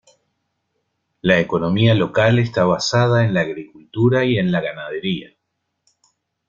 La economía local está basada en la agricultura y en la ganadería.